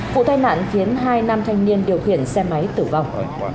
vụ tai nạn khiến hai nam thanh niên điều khiển xe máy tử vong